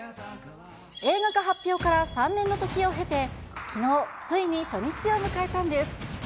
映画化発表から３年の時を経て、きのう、ついに初日を迎えたんです。